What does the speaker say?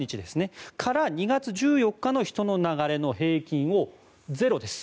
そこから２月１４日の人の流れの平均を、ゼロです。